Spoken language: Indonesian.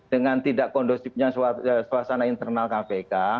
dengan tidak kondusifnya suasana internal kpk